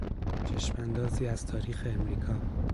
چشماندازی از تاریخ امریکا